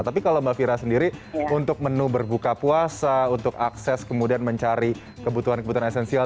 tapi kalau mbak fira sendiri untuk menu berbuka puasa untuk akses kemudian mencari kebutuhan kebutuhan esensial